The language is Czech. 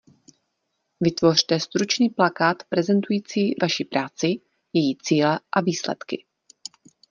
Vytvořte stručný plakát prezentující vaši práci, její cíle a výsledky.